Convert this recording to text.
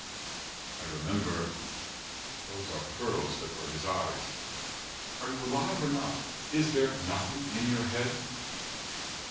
I remember Those are pearls that were his eyes. "Are you alive, or not? Is there nothing in your head?"